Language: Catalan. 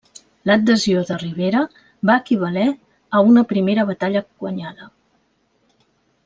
L'adhesió de Rivera va equivaler a una primera batalla guanyada.